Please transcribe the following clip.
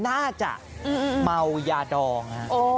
น่าจะเมายาดองฮะ